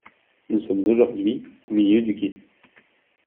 Nous sommes aujourd’hui au milieu du gué.